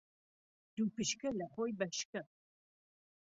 دوو پشکه لهخۆی بهشکه